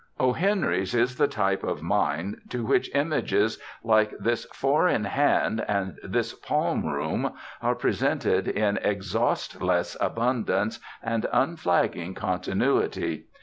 O. Henry's is the type of mind to which images like this four in hand and this palm room are presented in exhaustless abundance and unflagging continuity.